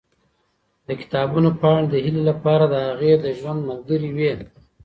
د کتابونو پاڼې د هیلې لپاره د هغې د ژوند ملګرې وې.